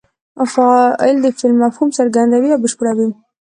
فاعل د فعل مفهوم څرګندوي او بشپړوي.